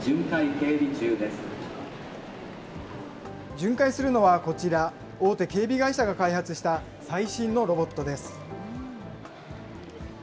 巡回するのはこちら、大手警備会社が開発した最新のロボットです。